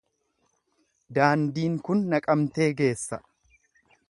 Daandiin kun Naqamtee geessa.